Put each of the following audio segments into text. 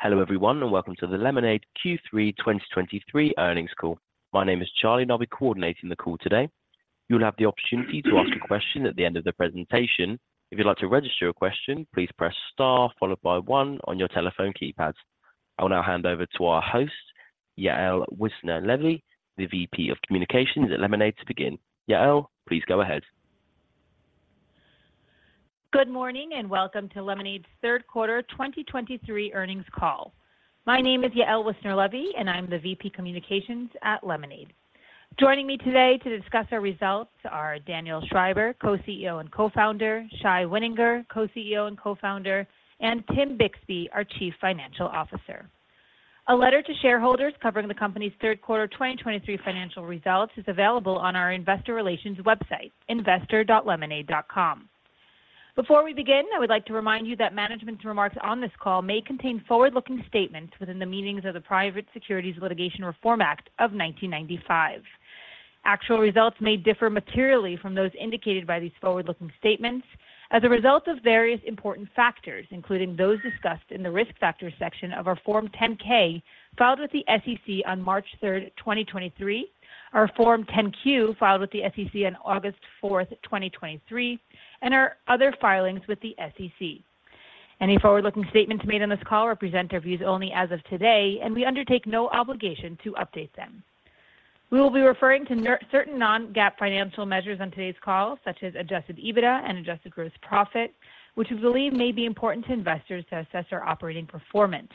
Hello everyone, and welcome to the Lemonade Q3 2023 earnings call. My name is Charlie, and I'll be coordinating the call today. You'll have the opportunity to ask a question at the end of the presentation. If you'd like to register your question, please press star, followed by one on your telephone keypad. I will now hand over to our host, Yael Wissner-Levy, the VP of Communications at Lemonade, to begin. Yael, please go ahead. Good morning, and welcome to Lemonade's Q3 2023 earnings call. My name is Yael Wissner-Levy, and I'm the VP Communications at Lemonade. Joining me today to discuss our results are Daniel Schreiber, Co-CEO and Co-Founder, Shai Wininger, Co-CEO and Co-Founder, and Tim Bixby, our Chief Financial Officer. A letter to shareholders covering the company's Q3 2023 financial results is available on our Investor Relations website, investor.lemonade.com. Before we begin, I would like to remind you that management's remarks on this call may contain forward-looking statements within the meanings of the Private Securities Litigation Reform Act of 1995. Actual results may differ materially from those indicated by these forward-looking statements as a result of various important factors, including those discussed in the Risk Factors section of our Form 10-K filed with the SEC on March 3rd, 2023, our Form 10-Q, filed with the SEC on August 4th, 2023, and our other filings with the SEC. Any forward-looking statements made on this call represent our views only as of today, and we undertake no obligation to update them. We will be referring to certain non-GAAP financial measures on today's call, such as adjusted EBITDA and adjusted gross profit, which we believe may be important to investors to assess our operating performance.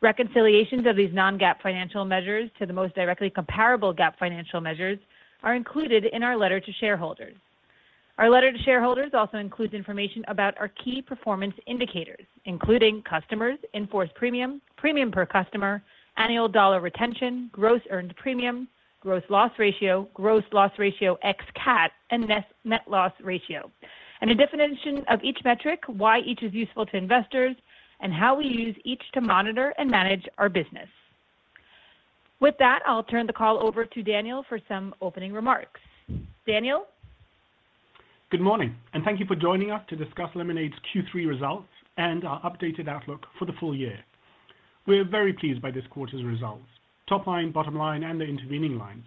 Reconciliations of these non-GAAP financial measures to the most directly comparable GAAP financial measures are included in our letter to shareholders. Our letter to shareholders also includes information about our key performance indicators, including customers, in-force premium, premium per customer, annual dollar retention, gross earned premium, gross loss ratio, gross loss ratio ex-CAT, and, net loss ratio. A definition of each metric, why each is useful to investors, and how we use each to monitor and manage our business. With that, I'll turn the call over to Daniel for some opening remarks. Daniel? Good morning, and thank you for joining us to discuss Lemonade's Q3 results and our updated outlook for the full year. We are very pleased by this quarter's results. Top line, bottom line, and the intervening line.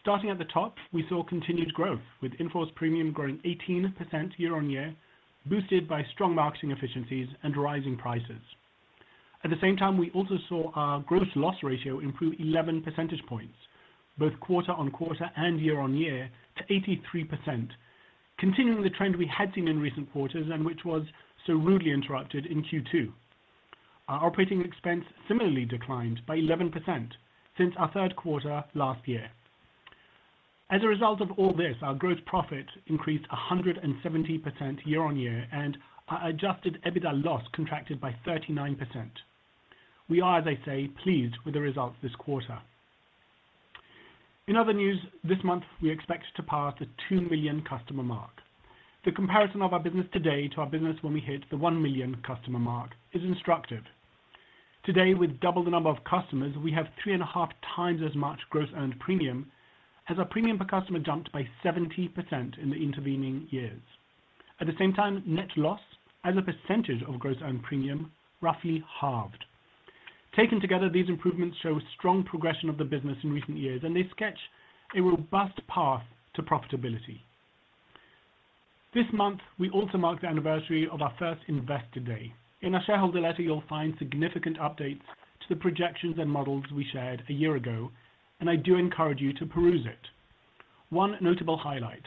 Starting at the top, we saw continued growth, with in-force premium growing 18% year-on-year, boosted by strong marketing efficiencies and rising prices. At the same time, we also saw our gross loss ratio improve 11 percentage points, both quarter-on-quarter and year-on-year, to 83%, continuing the trend we had seen in recent quarters and which was so rudely interrupted in Q2. Our operating expense similarly declined by 11% since our Q3 last year. As a result of all this, our gross profit increased 170% year-on-year, and our adjusted EBITDA loss contracted by 39%. We are, as I say, pleased with the results this quarter. In other news, this month, we expect to pass the 2 million customer mark. The comparison of our business today to our business when we hit the 1 million customer mark is instructive. Today, with double the number of customers, we have 3.5 times as much gross earned premium as our premium per customer jumped by 70% in the intervening years. At the same time, net loss as a percentage of gross earned premium, roughly halved. Taken together, these improvements show strong progression of the business in recent years, and they sketch a robust path to profitability. This month, we also marked the anniversary of our first Investor Day. In our shareholder letter, you'll find significant updates to the projections and models we shared a year ago, and I do encourage you to peruse it. One notable highlight: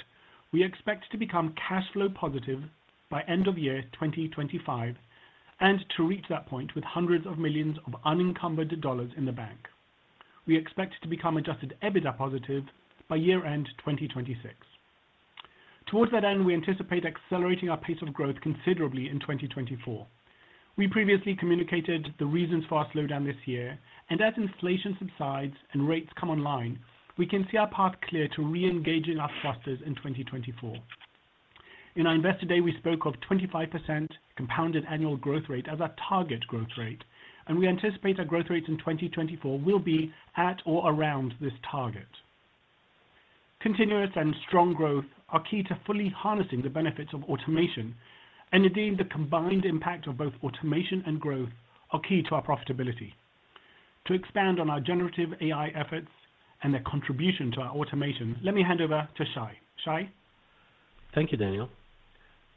We expect to become cash flow positive by end of year 2025, and to reach that point with $hundreds of millions of unencumbered dollars in the bank. We expect to become adjusted EBITDA positive by year-end 2026. Towards that end, we anticipate accelerating our pace of growth considerably in 2024. We previously communicated the reasons for our slowdown this year, and as inflation subsides and rates come online, we can see our path clear to reengaging our clusters in 2024. In our Investor Day, we spoke of 25% compounded annual growth rate as our target growth rate, and we anticipate our growth rate in 2024 will be at or around this target. Continuous and strong growth are key to fully harnessing the benefits of automation, and indeed, the combined impact of both automation and growth are key to our profitability. To expand on our generative AI efforts and their contribution to our automation, let me hand over to Shai. Shai? Thank you, Daniel.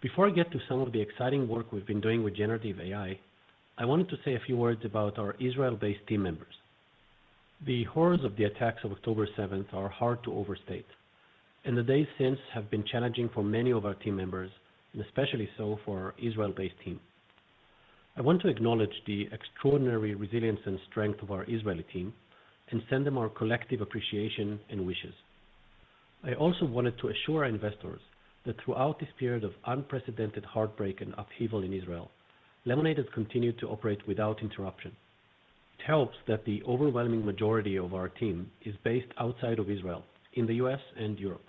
Before I get to some of the exciting work we've been doing with generative AI, I wanted to say a few words about our Israel-based team members. The horrors of the attacks of October 7th are hard to overstate, and the days since have been challenging for many of our team members, and especially so for our Israel-based team. I want to acknowledge the extraordinary resilience and strength of our Israeli team and send them our collective appreciation and wishes. I also wanted to assure our investors that throughout this period of unprecedented heartbreak and upheaval in Israel, Lemonade has continued to operate without interruption. It helps that the overwhelming majority of our team is based outside of Israel, in the U.S. and Europe.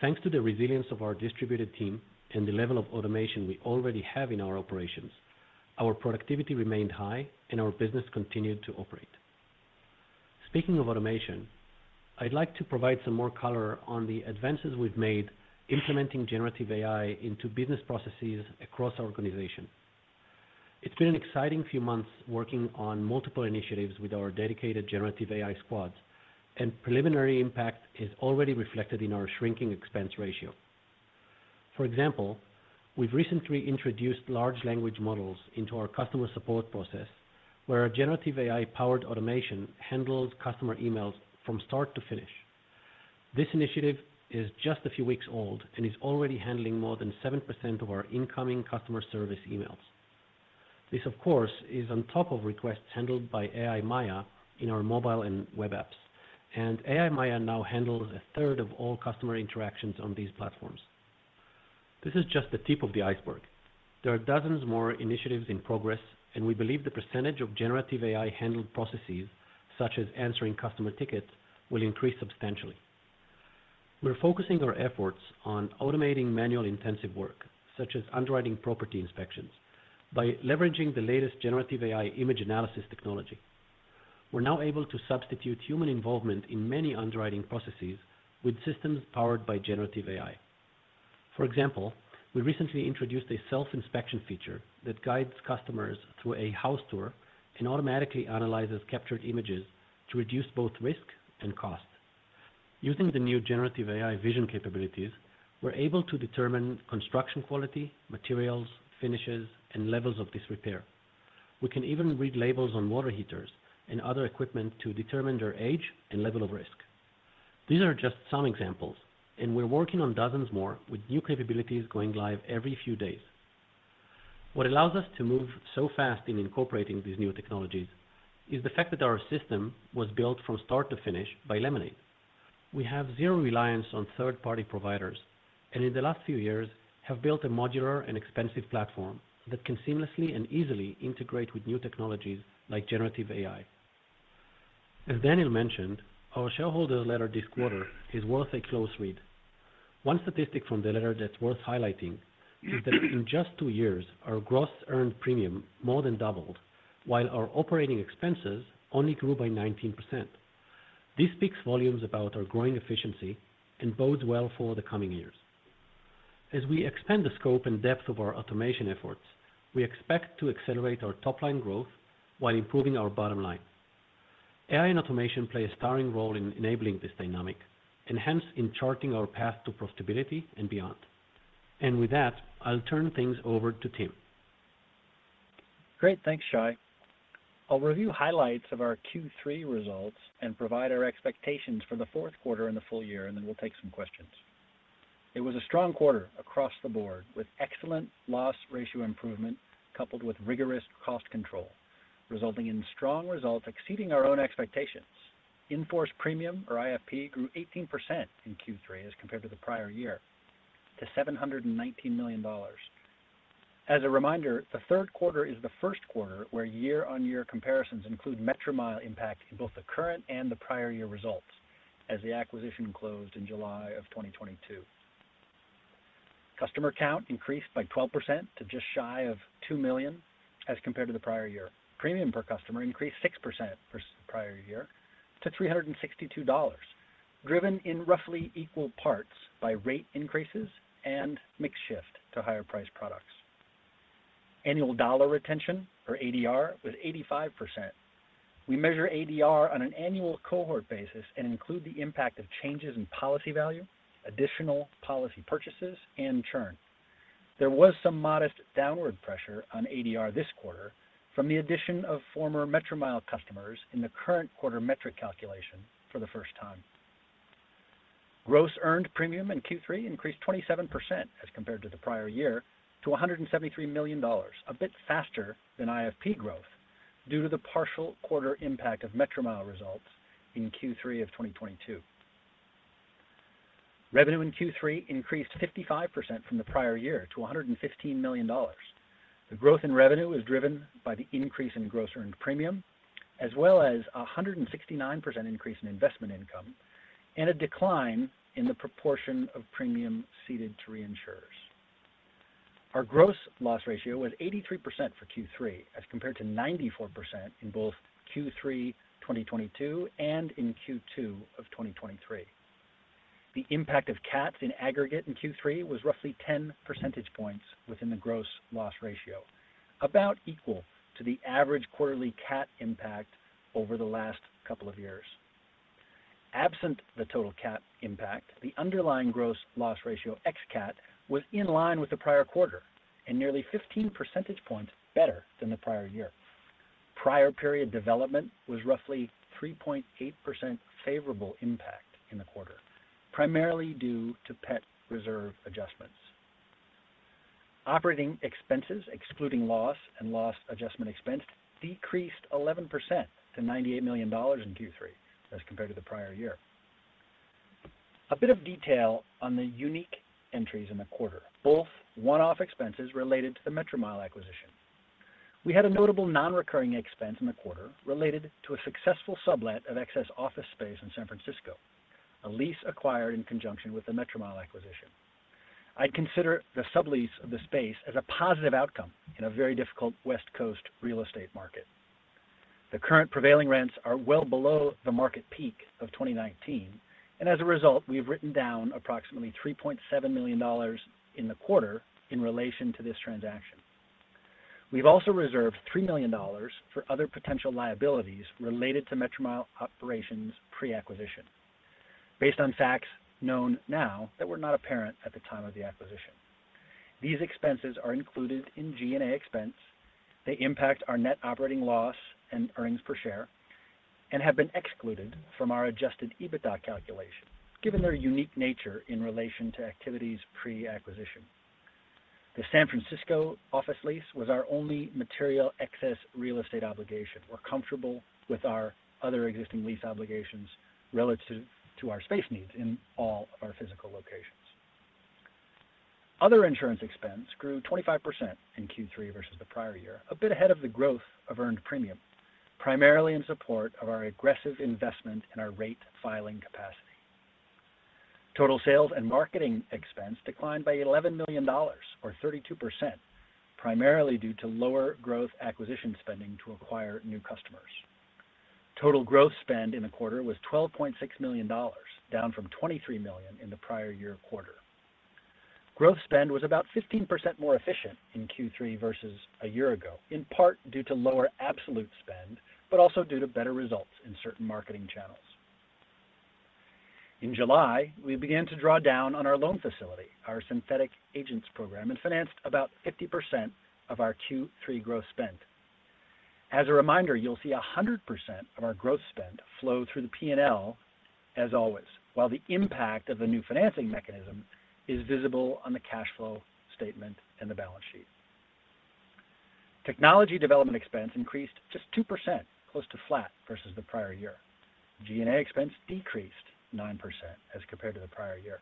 Thanks to the resilience of our distributed team and the level of automation we already have in our operations, our productivity remained high and our business continued to operate. Speaking of automation, I'd like to provide some more color on the advances we've made implementing generative AI into business processes across our organization. It's been an exciting few months working on multiple initiatives with our dedicated generative AI squads, and preliminary impact is already reflected in our shrinking expense ratio. For example, we've recently introduced large language models into our customer support process, where our generative AI-powered automation handles customer emails from start to finish. This initiative is just a few weeks old and is already handling more than 7% of our incoming customer service emails. This, of course, is on top of requests handled by AI Maya in our mobile and web apps, and AI Maya now handles a third of all customer interactions on these platforms. This is just the tip of the iceberg. There are dozens more initiatives in progress, and we believe the percentage of generative AI-handled processes, such as answering customer tickets, will increase substantially. We're focusing our efforts on automating manual intensive work, such as underwriting property inspections, by leveraging the latest generative AI image analysis technology. We're now able to substitute human involvement in many underwriting processes with systems powered by generative AI. For example, we recently introduced a self-inspection feature that guides customers through a house tour and automatically analyzes captured images to reduce both risk and cost. Using the new generative AI vision capabilities, we're able to determine construction quality, materials, finishes, and levels of disrepair. We can even read labels on water heaters and other equipment to determine their age and level of risk. These are just some examples, and we're working on dozens more, with new capabilities going live every few days. What allows us to move so fast in incorporating these new technologies is the fact that our system was built from start to finish by Lemonade. We have zero reliance on third-party providers, and in the last few years, have built a modular and expensive platform that can seamlessly and easily integrate with new technologies like generative AI. As Daniel mentioned, our shareholder letter this quarter is worth a close read. One statistic from the letter that's worth highlighting is that in just two years, our gross earned premium more than doubled, while our operating expenses only grew by 19%. This speaks volumes about our growing efficiency and bodes well for the coming years. As we expand the scope and depth of our automation efforts, we expect to accelerate our top line growth while improving our bottom line. AI and automation play a starring role in enabling this dynamic and hence in charting our path to profitability and beyond. With that, I'll turn things over to Tim. Great. Thanks, Shai. I'll review highlights of our Q3 results and provide our expectations for the Q4 and the full year, and then we'll take some questions. It was a strong quarter across the board, with excellent loss ratio improvement, coupled with rigorous cost control, resulting in strong results exceeding our own expectations. In-force premium or IFP, grew 18% in Q3 as compared to the prior year, to $719 million. As a reminder, the Q3 is the Q1 where year-on-year comparisons include Metromile impact in both the current and the prior year results, as the acquisition closed in July of 2022. Customer count increased by 12% to just shy of 2 million as compared to the prior year. Premium per customer increased 6% versus the prior year to $362, driven in roughly equal parts by rate increases and mix shift to higher price products. Annual dollar retention, or ADR, was 85%. We measure ADR on an annual cohort basis and include the impact of changes in policy value, additional policy purchases, and churn. There was some modest downward pressure on ADR this quarter from the addition of former Metromile customers in the current quarter metric calculation for the first time. Gross earned premium in Q3 increased 27% as compared to the prior year, to $173 million, a bit faster than IFP growth due to the partial quarter impact of Metromile results in Q3 of 2022. Revenue in Q3 increased 55% from the prior year to $115 million. The growth in revenue was driven by the increase in gross earned premium, as well as a 169% increase in investment income and a decline in the proportion of premium ceded to reinsurers. Our gross loss ratio was 83% for Q3 as compared to 94% in both Q3 2022 and in Q2 of 2023. The impact of CATs in aggregate in Q3 was roughly 10 percentage points within the gross loss ratio, about equal to the average quarterly CAT impact over the last couple of years. Absent the total CAT impact, the underlying gross loss ratio ex-CAT was in line with the prior quarter and nearly 15 percentage points better than the prior year. Prior period development was roughly 3.8% favorable impact in the quarter, primarily due to pet reserve adjustments. Operating expenses, excluding loss and loss adjustment expense, decreased 11% to $98 million in Q3 as compared to the prior year. A bit of detail on the unique entries in the quarter, both one-off expenses related to the Metromile acquisition. We had a notable non-recurring expense in the quarter related to a successful sublet of excess office space in San Francisco, a lease acquired in conjunction with the Metromile acquisition. I'd consider the sublease of the space as a positive outcome in a very difficult West Coast real estate market. The current prevailing rents are well below the market peak of 2019, and as a result, we've written down approximately $3.7 million in the quarter in relation to this transaction. We've also reserved $3 million for other potential liabilities related to Metromile operations pre-acquisition, based on facts known now that were not apparent at the time of the acquisition. These expenses are included in G&A expense. They impact our net operating loss and earnings per share and have been excluded from our adjusted EBITDA calculation, given their unique nature in relation to activities pre-acquisition. The San Francisco office lease was our only material excess real estate obligation. We're comfortable with our other existing lease obligations relative to our space needs in all of our physical locations. Other insurance expense grew 25% in Q3 versus the prior year, a bit ahead of the growth of earned premium, primarily in support of our aggressive investment in our rate filing capacity. Total sales and marketing expense declined by $11 million or 32%, primarily due to lower growth acquisition spending to acquire new customers. Total growth spend in the quarter was $12.6 million, down from $23 million in the prior year quarter. Growth spend was about 15% more efficient in Q3 versus a year ago, in part due to lower absolute spend, but also due to better results in certain marketing channels. In July, we began to draw down on our loan facility, our Synthetic Agents program, and financed about 50% of our Q3 growth spend. As a reminder, you'll see 100% of our growth spend flow through the P&L as always, while the impact of the new financing mechanism is visible on the cash flow statement and the balance sheet. Technology development expense increased just 2%, close to flat versus the prior year. G&A expense decreased 9% as compared to the prior year.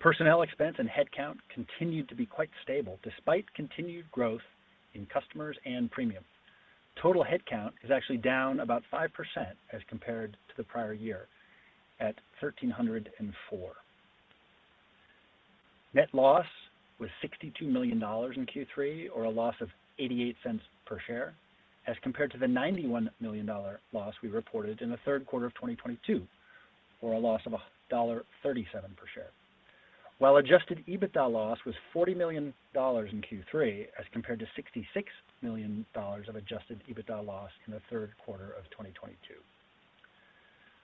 Personnel expense and headcount continued to be quite stable, despite continued growth in customers and premium. Total headcount is actually down about 5% as compared to the prior year at 1,304. Net loss was $62 million in Q3, or a loss of $0.88 per share, as compared to the $91 million loss we reported in the Q3 of 2022, or a loss of $1.37 per share. While adjusted EBITDA loss was $40 million in Q3, as compared to $66 million of adjusted EBITDA loss in the Q3 of 2022.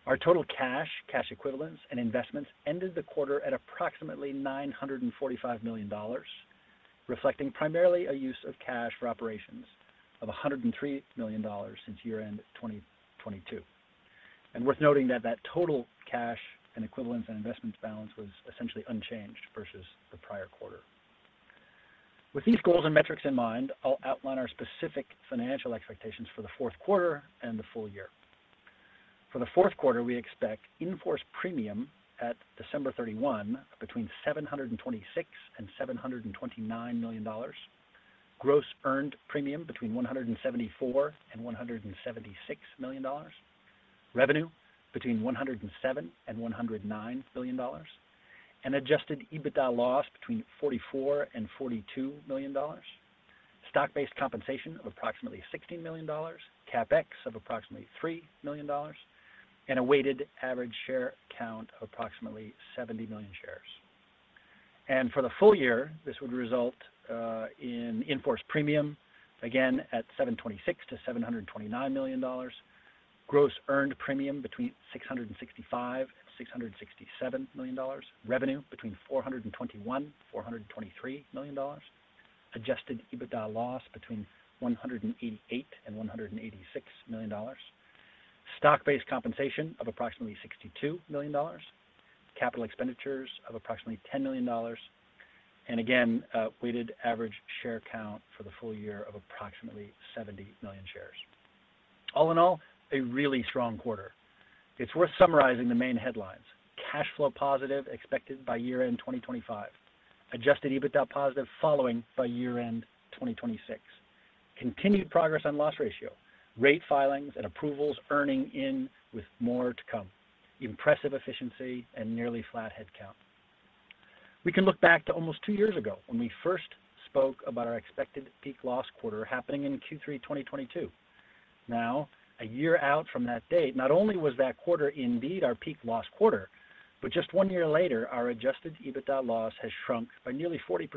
Our total cash, cash equivalents, and investments ended the quarter at approximately $945 million, reflecting primarily a use of cash for operations of $103 million since year-end 2022. Worth noting that that total cash and equivalents and investments balance was essentially unchanged versus the prior quarter. With these goals and metrics in mind, I'll outline our specific financial expectations for the Q4 and the full year. For the Q4, we expect in-force premium at December 31 between $726 million and $729 million. Gross earned premium between $174 million and $176 million. Revenue between $107 million and $109 million. An adjusted EBITDA loss between $44 million and $42 million. Stock-based compensation of approximately $60 million, CapEx of approximately $3 million, and a weighted average share count of approximately 70 million shares. For the full year, this would result in in-force premium, again, at $726 million-$729 million. Gross earned premium between $665 million and $667 million. Revenue between $421 million-$423 million. Adjusted EBITDA loss between $188 million and $186 million. Stock-based compensation of approximately $62 million. Capital expenditures of approximately $10 million, and again, a weighted average share count for the full year of approximately 70 million shares. All in all, a really strong quarter. It's worth summarizing the main headlines. Cash flow positive, expected by year end 2025. Adjusted EBITDA positive following by year end 2026. Continued progress on loss ratio, rate filings and approvals earning in with more to come. Impressive efficiency and nearly flat headcount. We can look back to almost two years ago when we first spoke about our expected peak loss quarter happening in Q3 2022. Now, a year out from that date, not only was that quarter indeed our peak loss quarter, but just one year later, our adjusted EBITDA loss has shrunk by nearly 40%.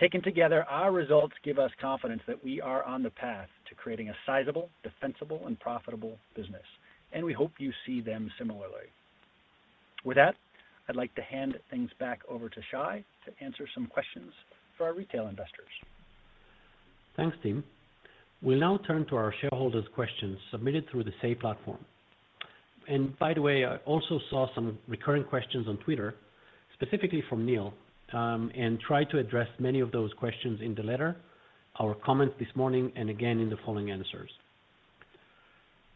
Taken together, our results give us confidence that we are on the path to creating a sizable, defensible, and profitable business, and we hope you see them similarly. With that, I'd like to hand things back over to Shai to answer some questions for our retail investors. Thanks, team. We'll now turn to our shareholders' questions submitted through the Say platform. And by the way, I also saw some recurring questions on Twitter, specifically from Neil, and tried to address many of those questions in the letter, our comments this morning, and again, in the following answers.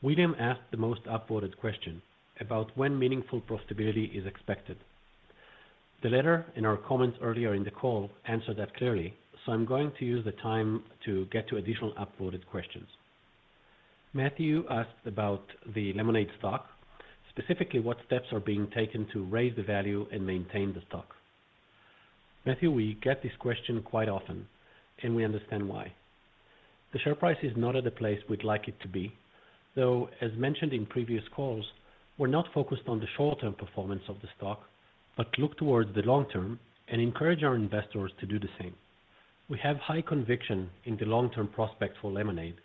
William asked the most upvoted question about when meaningful profitability is expected. The letter and our comments earlier in the call answered that clearly, so I'm going to use the time to get to additional upvoted questions.... Matthew asked about the Lemonade stock, specifically what steps are being taken to raise the value and maintain the stock. Matthew, we get this question quite often, and we understand why. The share price is not at the place we'd like it to be, though, as mentioned in previous calls, we're not focused on the short-term performance of the stock, but look towards the long term and encourage our investors to do the same. We have high conviction in the long-term prospects for Lemonade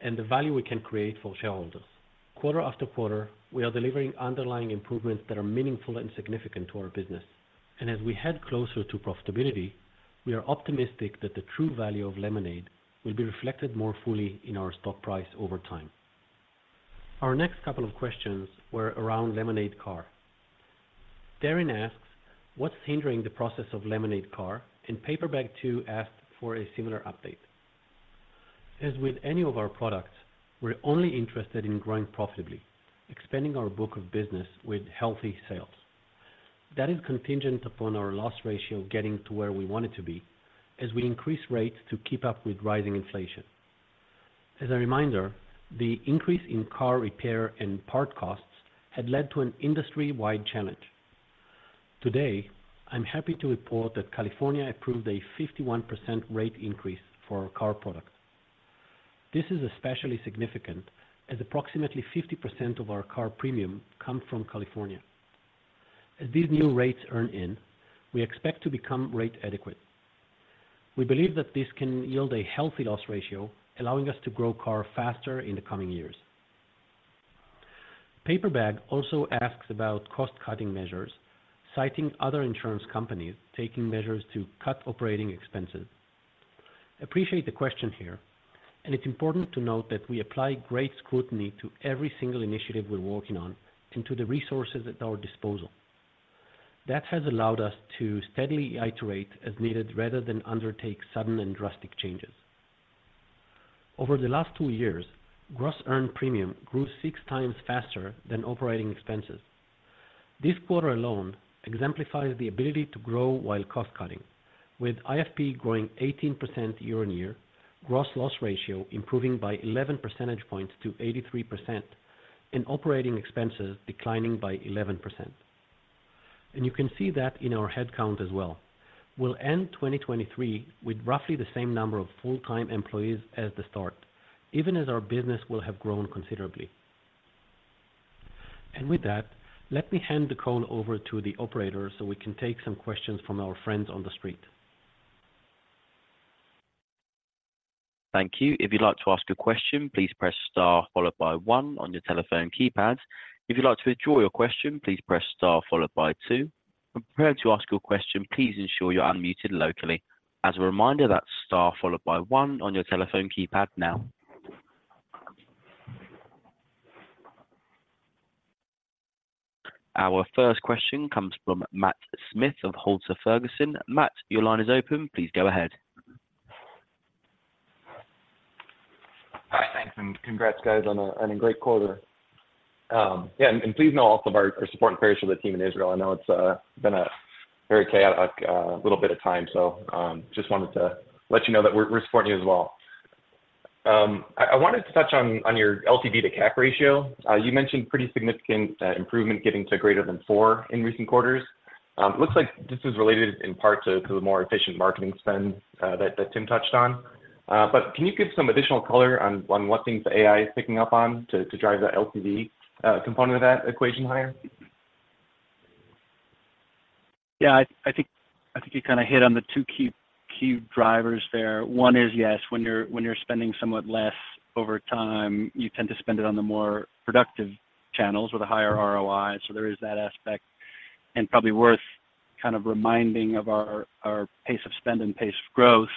and the value we can create for shareholders. Quarter-after-quarter, we are delivering underlying improvements that are meaningful and significant to our business, and as we head closer to profitability, we are optimistic that the true value of Lemonade will be reflected more fully in our stock price over time. Our next couple of questions were around Lemonade Car. Darren asks: What's hindering the process of Lemonade Car? And Paper Bag too asked for a similar update. As with any of our products, we're only interested in growing profitably, expanding our book of business with healthy sales. That is contingent upon our loss ratio getting to where we want it to be as we increase rates to keep up with rising inflation. As a reminder, the increase in car repair and part costs had led to an industry-wide challenge. Today, I'm happy to report that California approved a 51% rate increase for our car product. This is especially significant as approximately 50% of our car premium come from California. As these new rates earn in, we expect to become rate adequate. We believe that this can yield a healthy loss ratio, allowing us to grow car faster in the coming years. Paper Bag also asks about cost-cutting measures, citing other insurance companies taking measures to cut operating expenses. Appreciate the question here, and it's important to note that we apply great scrutiny to every single initiative we're working on and to the resources at our disposal. That has allowed us to steadily iterate as needed rather than undertake sudden and drastic changes. Over the last two years, Gross earned premium grew six times faster than operating expenses. This quarter alone exemplifies the ability to grow while cost cutting, with IFP growing 18% year-on-year, gross loss ratio improving by 11 percentage points to 83%, and operating expenses declining by 11%. You can see that in our headcount as well. We'll end 2023 with roughly the same number of full-time employees as the start, even as our business will have grown considerably. With that, let me hand the call over to the operator so we can take some questions from our friends on the street. Thank you. If you'd like to ask a question, please press star followed by one on your telephone keypad. If you'd like to withdraw your question, please press star followed by two. When preparing to ask your question, please ensure you're unmuted locally. As a reminder, that's Star followed by one on your telephone keypad now. Our first question comes from Matt Smith of Halter Ferguson. Matt, your line is open. Please go ahead. Hi. Thanks, and congrats, guys, on a great quarter. Yeah, and please know also our support and prayers for the team in Israel. I know it's been a very chaotic little bit of time, so just wanted to let you know that we're supporting you as well. I wanted to touch on your LTV to CAC ratio. You mentioned pretty significant improvement, getting to greater than four in recent quarters. It looks like this is related in part to the more efficient marketing spend that Tim touched on. But can you give some additional color on what things the AI is picking up on to drive the LTV component of that equation higher? Yeah, I, I think, I think you kind of hit on the two key, key drivers there. One is, yes, when you're, when you're spending somewhat less over time, you tend to spend it on the more productive channels with a higher ROI. So there is that aspect and probably worth kind of reminding of our, our pace of spend and pace of growth.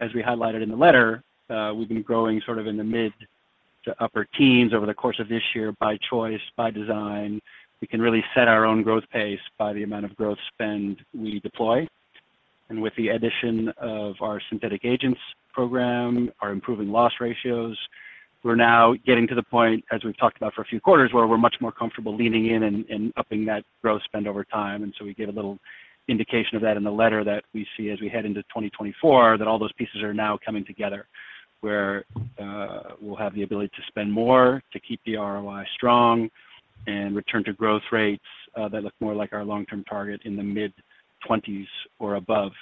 As we highlighted in the letter, we've been growing sort of in the mid to upper teens over the course of this year by choice, by design. We can really set our own growth pace by the amount of growth spend we deploy. And with the addition of our Synthetic Agents program, our improving loss ratios, we're now getting to the point, as we've talked about for a few quarters, where we're much more comfortable leaning in and, and upping that growth spend over time. And so we gave a little indication of that in the letter that we see as we head into 2024, that all those pieces are now coming together, where we'll have the ability to spend more, to keep the ROI strong and return to growth rates that look more like our long-term target in the mid-20s or above.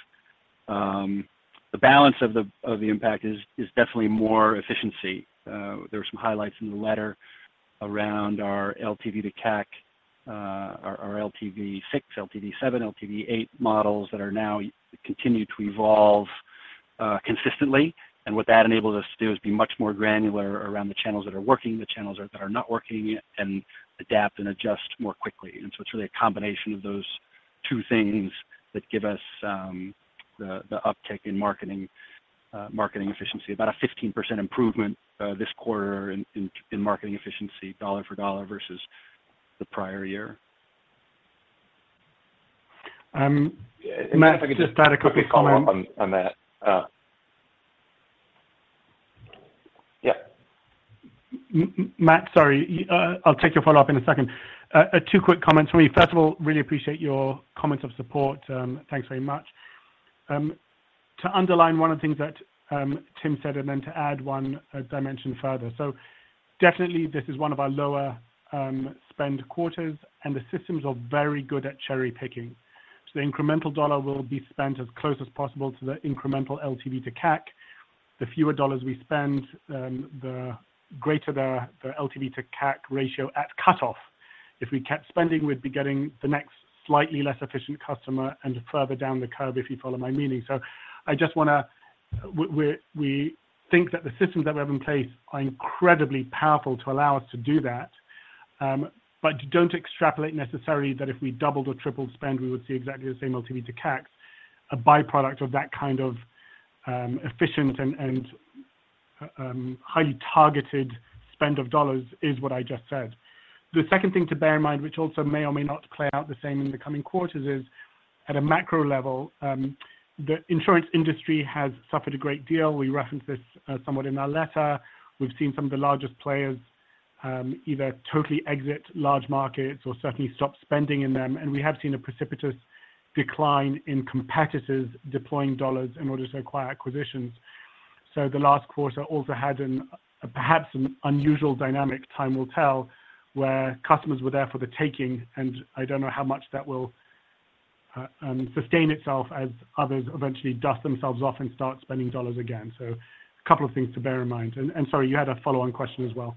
The balance of the impact is definitely more efficiency. There were some highlights in the letter around our LTV to CAC, our LTV6, LTV7, LTV8 models that are now continue to evolve consistently. And what that enables us to do is be much more granular around the channels that are working, the channels that are not working, and adapt and adjust more quickly. And so it's really a combination of those two things that give us the uptick in marketing efficiency. About a 15% improvement this quarter in marketing efficiency, dollar for dollar versus the prior year. Matt, just add a couple comments- On that, yeah. Matt, sorry, I'll take your follow-up in a second. Two quick comments from me. First of all, really appreciate your comments of support. Thanks very much.... To underline one of the things that, Tim said, and then to add one dimension further. So definitely this is one of our lower spend quarters, and the systems are very good at cherry-picking. So the incremental dollar will be spent as close as possible to the incremental LTV to CAC. The fewer dollars we spend, the greater the LTV to CAC ratio at cutoff. If we kept spending, we'd be getting the next slightly less efficient customer and further down the curve, if you follow my meaning. So we think that the systems that we have in place are incredibly powerful to allow us to do that. But don't extrapolate necessarily that if we doubled or tripled spend, we would see exactly the same LTV to CAC. A by-product of that kind of efficient and highly targeted spend of dollars is what I just said. The second thing to bear in mind, which also may or may not play out the same in the coming quarters, is at a macro level, the insurance industry has suffered a great deal. We referenced this somewhat in our letter. We've seen some of the largest players either totally exit large markets or certainly stop spending in them, and we have seen a precipitous decline in competitors deploying dollars in order to acquire acquisitions. So the last quarter also had perhaps an unusual dynamic, time will tell, where customers were there for the taking, and I don't know how much that will sustain itself as others eventually dust themselves off and start spending dollars again. A couple of things to bear in mind. And, sorry, you had a follow-on question as well.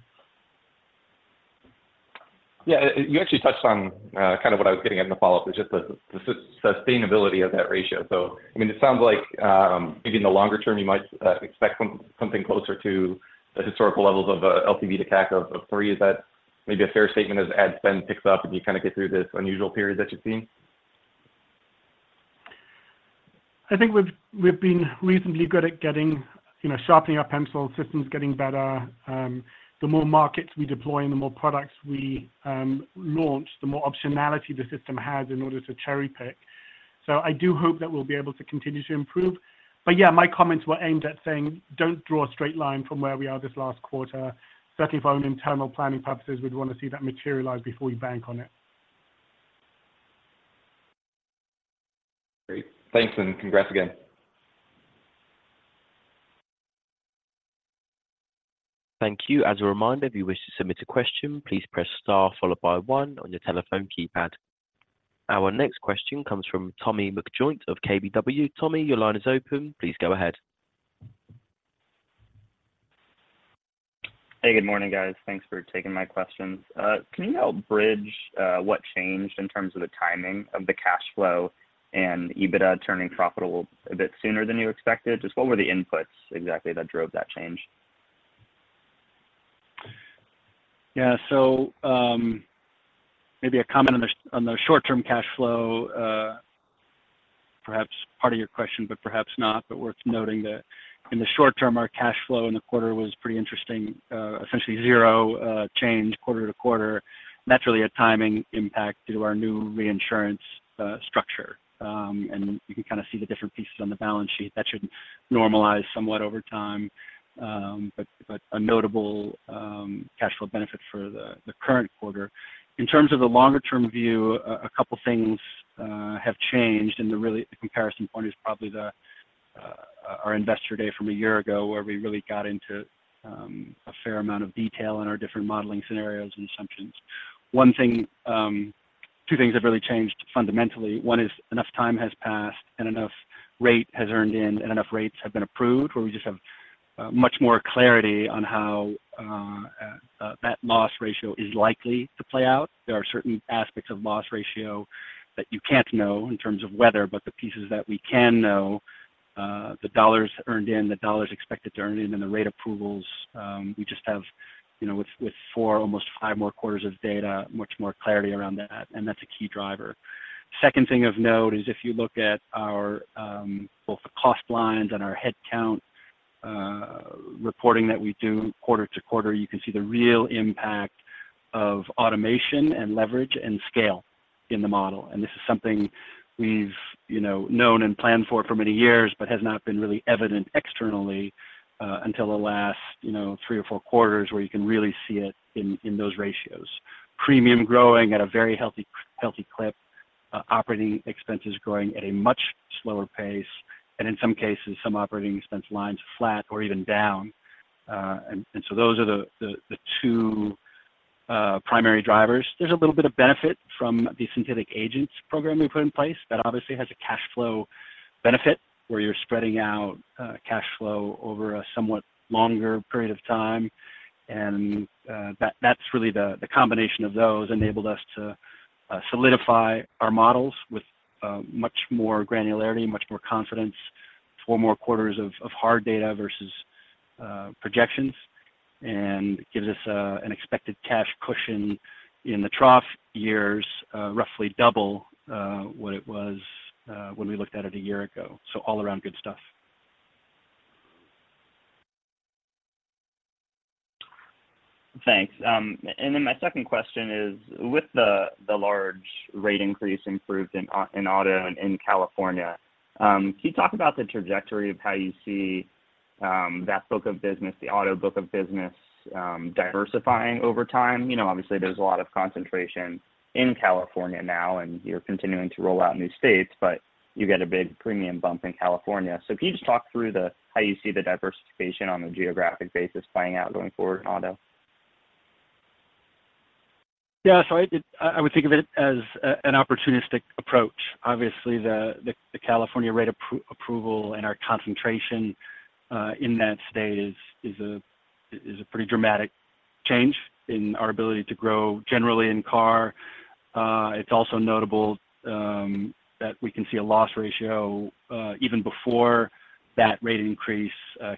Yeah, you actually touched on kind of what I was getting at in the follow-up, is just the sustainability of that ratio. So, I mean, it sounds like maybe in the longer term, you might expect something closer to the historical levels of LTV to CAC of 3. Is that maybe a fair statement as ad spend picks up, and you kind of get through this unusual period that you're seeing? I think we've been reasonably good at getting, you know, sharpening our pencils, systems getting better. The more markets we deploy and the more products we launch, the more optionality the system has in order to cherry-pick. So I do hope that we'll be able to continue to improve. But yeah, my comments were aimed at saying, don't draw a straight line from where we are this last quarter. Certainly, for our own internal planning purposes, we'd want to see that materialize before we bank on it. Great. Thanks, and congrats again. Thank you. As a reminder, if you wish to submit a question, please press star followed by one on your telephone keypad. Our next question comes from Tommy McJoynt of KBW. Tommy, your line is open. Please go ahead. Hey, good morning, guys. Thanks for taking my questions. Can you help bridge what changed in terms of the timing of the cash flow and EBITDA turning profitable a bit sooner than you expected? Just what were the inputs exactly that drove that change? Yeah, so, maybe a comment on the short-term cash flow, perhaps part of your question, but perhaps not, but worth noting that in the short term, our cash flow in the quarter was pretty interesting, essentially zero change quarter-over-quarter. That's really a timing impact due to our new reinsurance structure. And you can kind of see the different pieces on the balance sheet. That should normalize somewhat over time, but a notable cash flow benefit for the current quarter. In terms of the longer-term view, a couple things have changed, and really the comparison point is probably our Investor Day from a year ago, where we really got into a fair amount of detail on our different modeling scenarios and assumptions. One thing, two things have really changed fundamentally. One is enough time has passed and enough rate has earned in and enough rates have been approved, where we just have much more clarity on how that loss ratio is likely to play out. There are certain aspects of loss ratio that you can't know in terms of weather, but the pieces that we can know, the dollars earned in, the dollars expected to earn in, and the rate approvals, we just have, you know, with four, almost five more quarters of data, much more clarity around that, and that's a key driver. Second thing of note is if you look at our both the cost lines and our headcount reporting that we do quarter-to-quarter, you can see the real impact of automation and leverage and scale in the model. And this is something we've, you know, known and planned for for many years, but has not been really evident externally until the last, you know, three or four quarters, where you can really see it in those ratios. Premium growing at a very healthy, healthy clip, operating expenses growing at a much slower pace, and in some cases, some operating expense lines flat or even down. And so those are the two primary drivers. There's a little bit of benefit from the Synthetic Agents program we put in place. That obviously has a cash flow benefit, where you're spreading out cash flow over a somewhat longer period of time. And, that's really the combination of those enabled us to solidify our models with much more granularity, much more confidence, four more quarters of hard data versus projections, and gives us an expected cash cushion in the trough years, roughly double what it was when we looked at it a year ago. So all around good stuff. Thanks. And then my second question is, with the large rate increase improved in auto and in California, can you talk about the trajectory of how you see that book of business, the auto book of business, diversifying over time. You know, obviously, there's a lot of concentration in California now, and you're continuing to roll out new states, but you get a big premium bump in California. So if you just talk through how you see the diversification on a geographic basis playing out going forward in auto? Yeah, so I would think of it as an opportunistic approach. Obviously, the California rate approval and our concentration in that state is a pretty dramatic change in our ability to grow generally in car. It's also notable that we can see a loss ratio even before that rate increase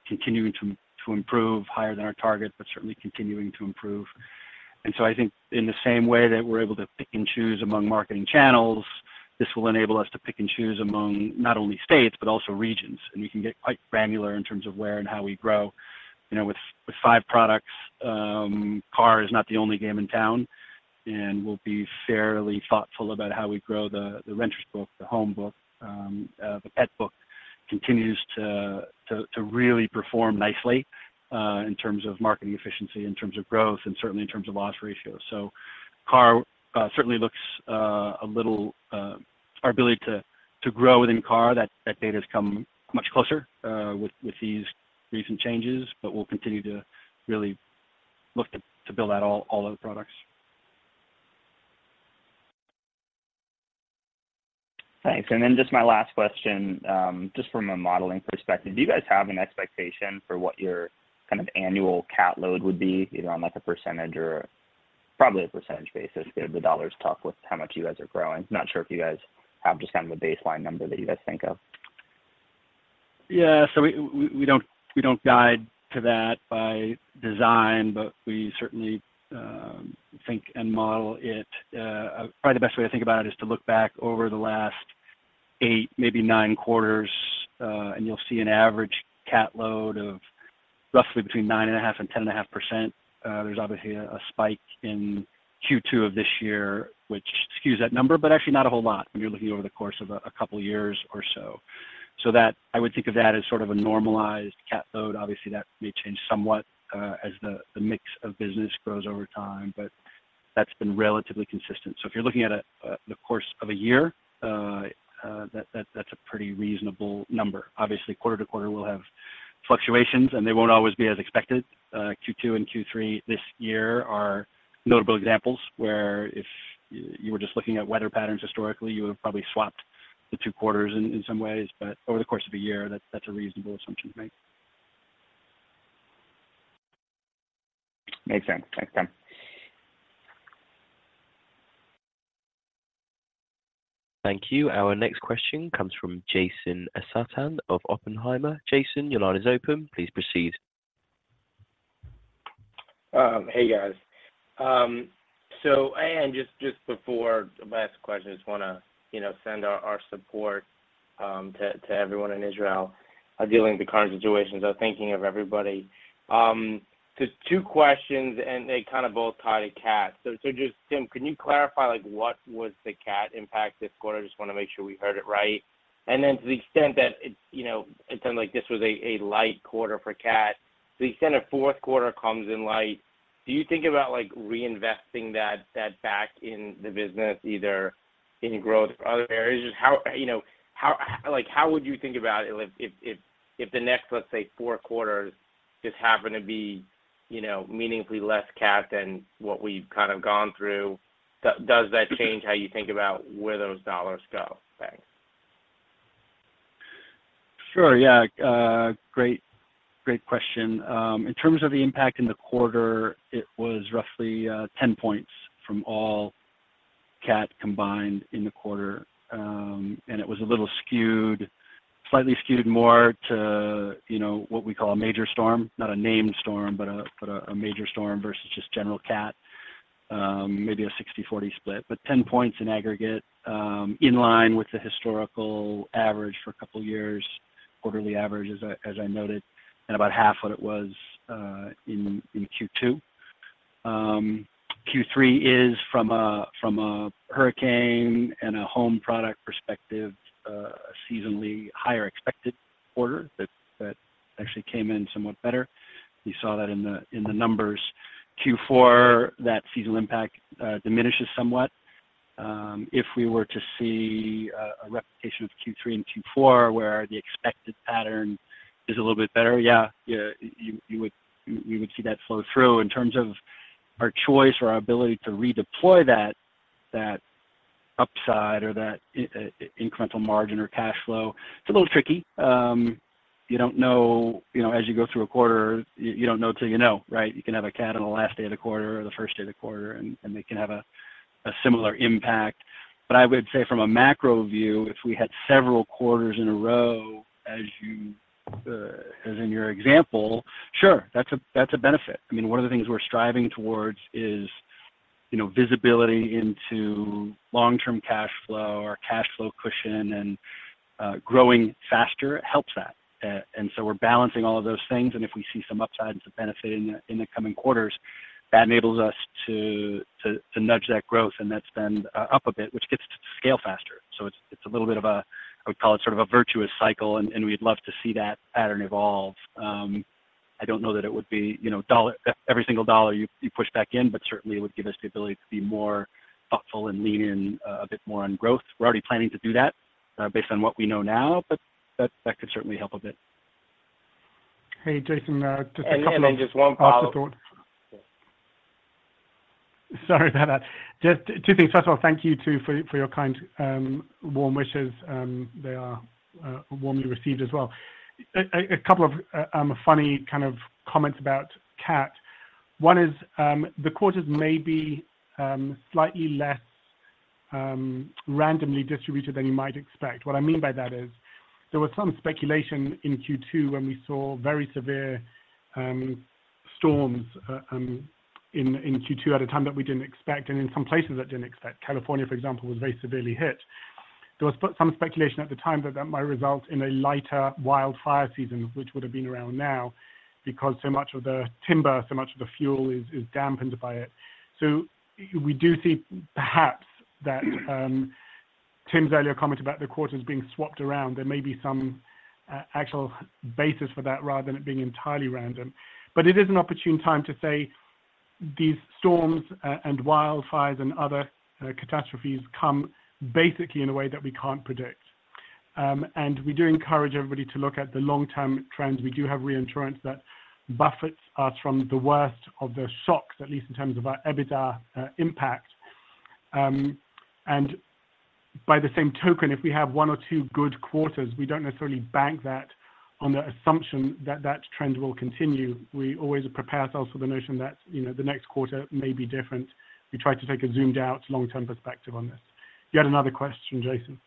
continuing to improve higher than our target, but certainly continuing to improve. And so I think in the same way that we're able to pick and choose among marketing channels, this will enable us to pick and choose among not only states, but also regions. And we can get quite granular in terms of where and how we grow. You know, with five products, car is not the only game in town, and we'll be fairly thoughtful about how we grow the renter's book, the home book. The pet book continues to really perform nicely in terms of marketing efficiency, in terms of growth, and certainly in terms of loss ratio. So, car certainly looks a little... our ability to grow within car, that data has come much closer with these recent changes, but we'll continue to really look to build out all our products. Thanks. And then just my last question, just from a modeling perspective. Do you guys have an expectation for what your kind of annual CAT load would be, either on, like, a percentage or probably a percentage basis? The dollars talk with how much you guys are growing. Not sure if you guys have just kind of a baseline number that you guys think of. Yeah, so we, we, we don't, we don't guide to that by design, but we certainly think and model it. Probably the best way to think about it is to look back over the last eight, maybe nine quarters, and you'll see an average CAT load of roughly between 9.5 and 10.5%. There's obviously a spike in Q2 of this year, which skews that number, but actually not a whole lot when you're looking over the course of a couple of years or so. So that, I would think of that as sort of a normalized CAT load. Obviously, that may change somewhat as the mix of business grows over time, but that's been relatively consistent. So if you're looking at the course of a year, that, that's a pretty reasonable number. Obviously, quarter-to-quarter will have fluctuations, and they won't always be as expected. Q2 and Q3 this year are notable examples, where if you were just looking at weather patterns historically, you would have probably swapped the two quarters in some ways, but over the course of a year, that's a reasonable assumption to make. Makes sense. Thanks, Tim. Thank you. Our next question comes from Jason Helfstein of Oppenheimer. Jason, your line is open. Please proceed. Hey, guys. Just before I ask the question, I just want to, you know, send our support to everyone in Israel dealing with the current situation. So thinking of everybody. Just two questions, and they kind of both tie to CAT. So, just, Tim, can you clarify, like, what was the CAT impact this quarter? Just want to make sure we heard it right. And then to the extent that it's, you know, it sounds like this was a light quarter for CAT. So you said a Q4 comes in light. Do you think about, like, reinvesting that back in the business, either in growth or other areas? How would you think about it if the next, let's say, four quarters just happen to be, you know, meaningfully less CAT than what we've kind of gone through? Does that change how you think about where those dollars go? Thanks. Sure. Yeah. Great, great question. In terms of the impact in the quarter, it was roughly 10 points from all CAT combined in the quarter. And it was a little skewed, slightly skewed more to, you know, what we call a major storm, not a named storm, but a major storm versus just general CAT. Maybe a 60/40 split, but 10 points in aggregate, in line with the historical average for a couple of years, quarterly average, as I noted, and about half what it was in Q2. Q3 is from a hurricane and a home product perspective, a seasonally higher expected quarter that actually came in somewhat better. You saw that in the numbers. Q4, that seasonal impact diminishes somewhat. If we were to see a repetition of Q3 and Q4, where the expected pattern is a little bit better, yeah, yeah, you would see that flow through. In terms of our choice or our ability to redeploy that upside or that incremental margin or cash flow, it's a little tricky. You don't know, you know, as you go through a quarter, you don't know till you know, right? You can have a CAT on the last day of the quarter or the first day of the quarter, and they can have a similar impact. But I would say from a macro view, if we had several quarters in a row, as in your example, sure, that's a benefit. I mean, one of the things we're striving towards is, you know, visibility into long-term cash flow or cash flow cushion, and growing faster helps that. And so we're balancing all of those things, and if we see some upsides and benefit in the coming quarters, that enables us to to nudge that growth, and that's been up a bit, which gets to scale faster. So it's a little bit of a, I would call it sort of a virtuous cycle, and we'd love to see that pattern evolve. I don't know that it would be, you know, dollar every single dollar you push back in, but certainly it would give us the ability to be more thoughtful and lean in a bit more on growth. We're already planning to do that, based on what we know now, but that, that could certainly help a bit. Hey, Jason, just a couple of- Just one follow-up. Sorry about that. Just two things. First of all, thank you, too, for your kind, warm wishes. They are warmly received as well. A couple of funny kind of comments about CAT. One is, the quarters may be slightly less randomly distributed than you might expect. What I mean by that is there was some speculation in Q2 when we saw very severe storms in Q2 at a time that we didn't expect, and in some places that didn't expect. California, for example, was very severely hit. There was but some speculation at the time that that might result in a lighter wildfire season, which would have been around now because so much of the timber, so much of the fuel is dampened by it. So we do see, perhaps, that Tim's earlier comment about the quarters being swapped around, there may be some actual basis for that rather than it being entirely random. But it is an opportune time to say these storms and wildfires and other catastrophes come basically in a way that we can't predict. And we do encourage everybody to look at the long-term trends. We do have reinsurance that buffers us from the worst of the shocks, at least in terms of our EBITDA impact. And by the same token, if we have one or two good quarters, we don't necessarily bank that on the assumption that that trend will continue. We always prepare ourselves for the notion that, you know, the next quarter may be different. We try to take a zoomed-out, long-term perspective on this. You had another question, Jason?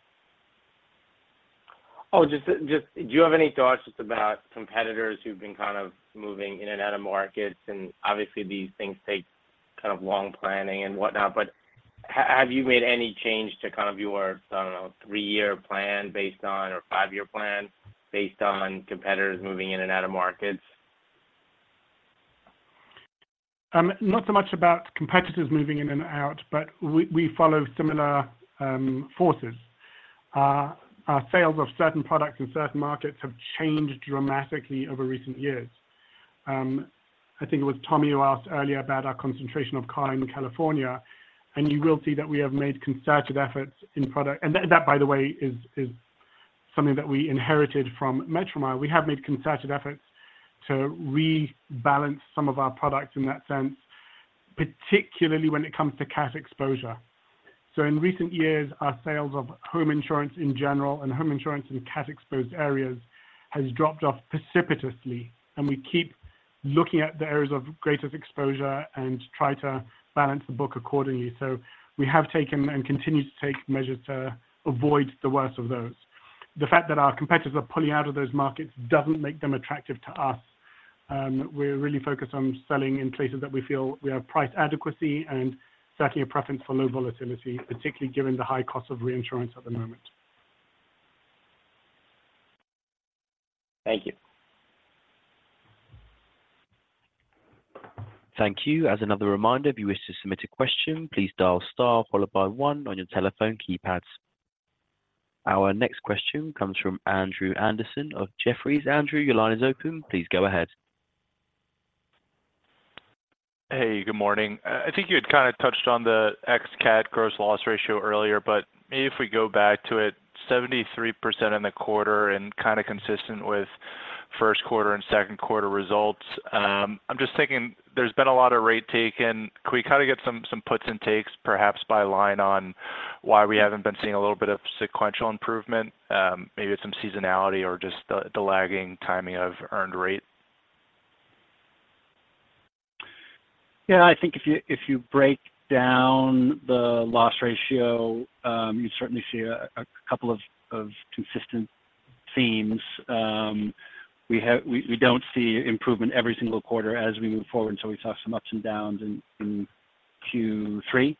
Oh, just do you have any thoughts just about competitors who've been kind of moving in and out of markets? And obviously, these things take kind of long planning and whatnot, but have you made any change to kind of your, I don't know, three-year plan based on or five-year plan, based on competitors moving in and out of markets? Not so much about competitors moving in and out, but we follow similar forces. Our sales of certain products in certain markets have changed dramatically over recent years. I think it was Tommy who asked earlier about our concentration of car in California, and you will see that we have made concerted efforts in product. And that, by the way, is something that we inherited from Metromile. We have made concerted efforts to rebalance some of our products in that sense, particularly when it comes to CAT exposure. So in recent years, our sales of home insurance in general and home insurance in CAT-exposed areas has dropped off precipitously, and we keep looking at the areas of greatest exposure and try to balance the book accordingly. So we have taken and continue to take measures to avoid the worst of those. The fact that our competitors are pulling out of those markets doesn't make them attractive to us. We're really focused on selling in places that we feel we have price adequacy and secondly, a preference for low volatility, particularly given the high cost of reinsurance at the moment. Thank you. Thank you. As another reminder, if you wish to submit a question, please dial star followed by one on your telephone keypads. Our next question comes from Andrew Andersen of Jefferies. Andrew, your line is open. Please go ahead. Hey, good morning. I think you had kind of touched on the ex-CAT gross loss ratio earlier, but maybe if we go back to it, 73% in the quarter and kind of consistent with Q1 and Q2 results. I'm just thinking there's been a lot of rate taken. Can we kind of get some, some puts and takes, perhaps by line, on why we haven't been seeing a little bit of sequential improvement, maybe it's some seasonality or just the, the lagging timing of earned rate? Yeah, I think if you break down the loss ratio, you certainly see a couple of consistent themes. We don't see improvement every single quarter as we move forward, so we saw some ups and downs in Q3.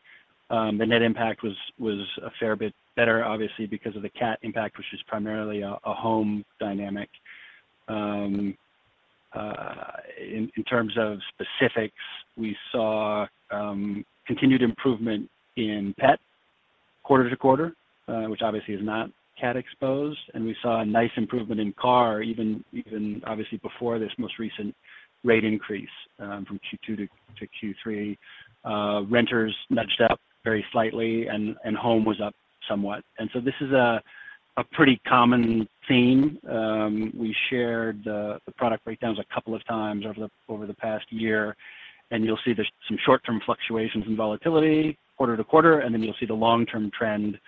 The net impact was a fair bit better, obviously, because of the CAT impact, which is primarily a home dynamic. In terms of specifics, we saw continued improvement in pet quarter-to-quarter, which obviously is not CAT exposed, and we saw a nice improvement in car, even obviously before this most recent rate increase, from Q2 to Q3. Renters nudged up very slightly and home was up somewhat. And so this is a pretty common theme. We shared the product breakdowns a couple of times over the past year, and you'll see there's some short-term fluctuations in volatility quarter-to-quarter, and then you'll see the long-term trend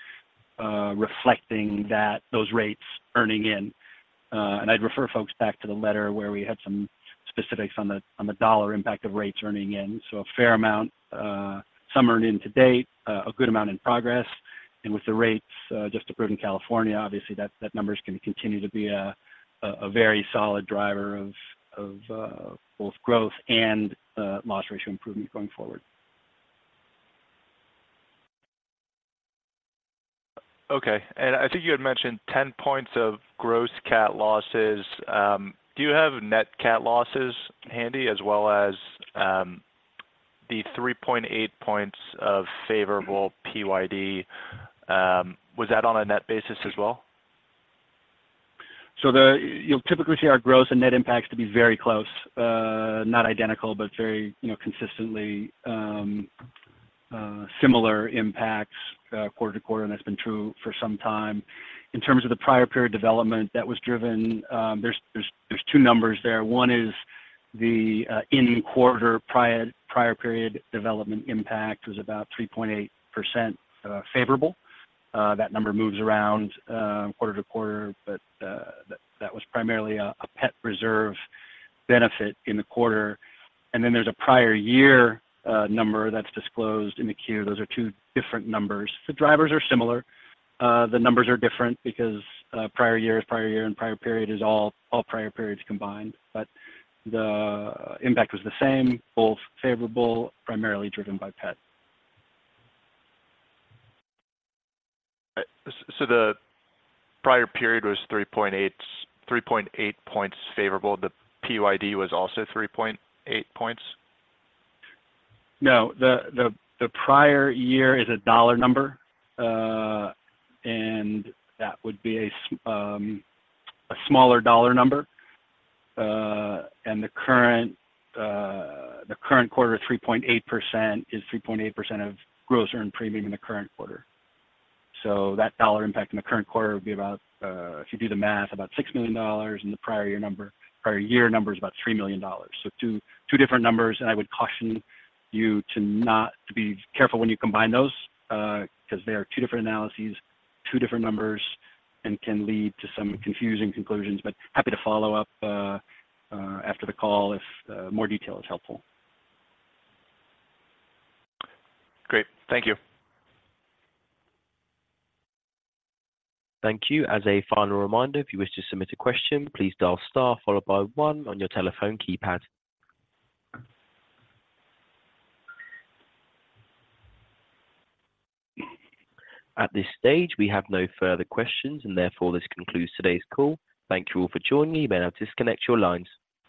reflecting that those rates earning in. And I'd refer folks back to the letter where we had some specifics on the dollar impact of rates earning in. So a fair amount some earned in to date, a good amount in progress. And with the rates just approved in California, obviously, that number's going to continue to be a very solid driver of both growth and loss ratio improvement going forward.... Okay, and I think you had mentioned 10 points of gross CAT losses. Do you have net CAT losses handy as well as the 3.8 points of favorable PYD? Was that on a net basis as well? So, you'll typically see our gross and net impacts to be very close, not identical, but very, you know, consistently, similar impacts, quarter-to-quarter, and that's been true for some time. In terms of the prior period development, that was driven, there's two numbers there. One is the, in quarter prior, prior period development impact was about 3.8%, favorable. That number moves around, quarter-to-quarter, but, that was primarily a pet reserve benefit in the quarter. And then there's a prior year, number that's disclosed in the Q. Those are two different numbers. The drivers are similar. The numbers are different because prior year is prior year, and prior period is all prior periods combined, but the impact was the same, both favorable, primarily driven by pet. So the prior period was 3.8, 3.8 points favorable. The PYD was also 3.8 points? No, the prior year is a dollar number, and that would be a smaller dollar number. And the current quarter, 3.8%, is 3.8% of gross earned premium in the current quarter. So that dollar impact in the current quarter would be about, if you do the math, about $6 million, and the prior year number, prior year number is about $3 million. So two different numbers, and I would caution you to be careful when you combine those, 'cause they are two different analyses, two different numbers, and can lead to some confusing conclusions, but happy to follow up after the call if more detail is helpful. Great. Thank you. Thank you. As a final reminder, if you wish to submit a question, please dial star followed by one on your telephone keypad. At this stage, we have no further questions, and therefore, this concludes today's call. Thank you all for joining. You may now disconnect your lines.